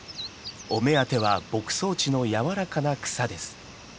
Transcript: お目当ては牧草地のやわらかな草です。